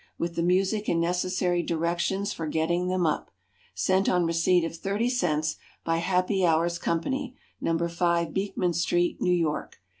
With the Music and necessary directions for getting them up. Sent on receipt of 30 cents, by HAPPY HOURS COMPANY, No. 5 Beekman Street, New York.